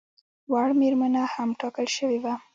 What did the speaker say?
وړ مېرمنه هم ټاکل شوې وه.